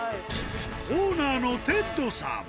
オーナーのテッドさん。